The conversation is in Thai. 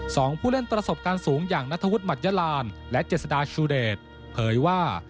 ผู้เล่นประสบการณ์สูงอย่างนัทธวุฒิหมัดยาลานและเจษฎาชูเดชเผยว่า